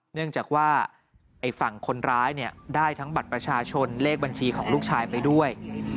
เนื่องจากว่าไอ้ฝั่งคนร้ายเนี่ยได้ทั้งบัตรประชาชนเลขบัญชีของลูกชายไปด้วย